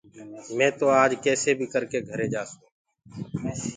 مينٚ تو آج ڪيسي بيٚ ڪرڪي گھري جآسونٚ